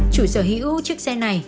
chủ sở hữu chiếc xe này